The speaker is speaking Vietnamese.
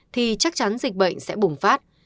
thì chắc chắn dịch bệnh sẽ bùng phát